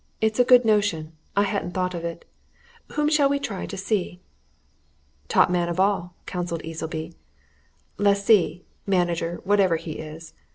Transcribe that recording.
"It's a good notion I hadn't thought of it. Whom shall we try to see?" "Top man of all," counselled Easleby. "Lessee, manager, whatever he is.